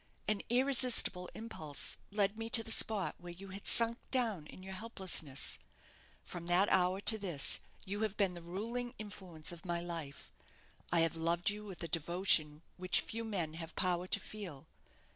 An irresistible impulse led me to the spot where you had sunk down in your helplessness. From that hour to this you have been the ruling influence of my life. I have loved you with a devotion which few men have power to feel.